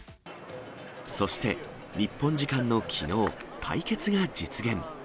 そして、日本時間のきのう、対決が実現。